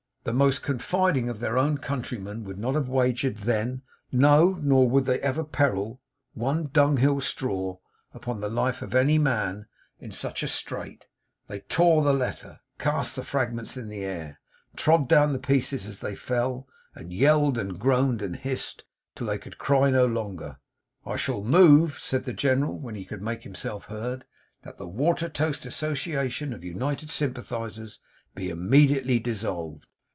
The most confiding of their own countrymen would not have wagered then no, nor would they ever peril one dunghill straw, upon the life of any man in such a strait. They tore the letter, cast the fragments in the air, trod down the pieces as they fell; and yelled, and groaned, and hissed, till they could cry no longer. 'I shall move,' said the General, when he could make himself heard, 'that the Watertoast Association of United Sympathisers be immediately dissolved!